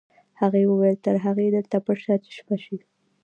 هغې وویل تر هغې دلته پټ شه چې شپه شي